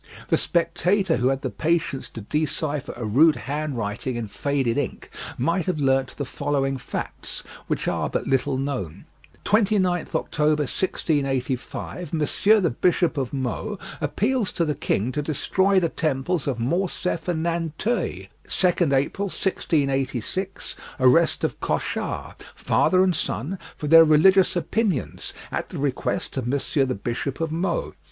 The spectator who had the patience to decipher a rude handwriting in faded ink might have learnt the following facts, which are but little known: "29th October, 1685, Monsieur the Bishop of Meaux, appeals to the king to destroy the temples of Morcef and Nanteuil" "2nd April, 1686, Arrest of Cochard, father and son, for their religious opinions, at the request of Monsieur the Bishop of Meaux.